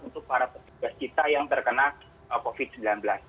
untuk para petugas kita yang terkena covid sembilan belas